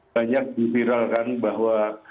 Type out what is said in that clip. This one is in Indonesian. banyak dipiralkan bahwa